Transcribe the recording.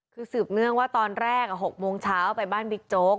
คือสืบเนื่องว่าตอนแรก๖โมงเช้าไปบ้านบิ๊กโจ๊ก